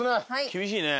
厳しいね。